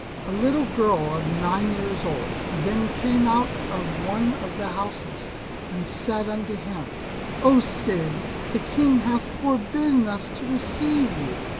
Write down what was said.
A little girl of nine years old then came out of one of the houses and said unto him, "O Cid, the King hath forbidden us to receive you.